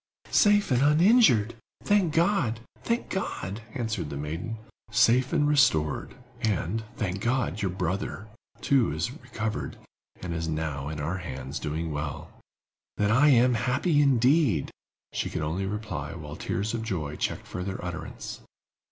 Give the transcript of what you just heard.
"Safe and uninjured! Thank God—thank God!" answered the maiden. "Safe and restored; and, thank God, your brother, too, is recovered, and is now in our hands, doing well!" "Then I am happy, indeed!" she could only reply, while tears of joy checked further utterance.